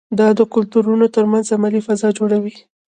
دا د کلتورونو ترمنځ علمي فضا جوړوي.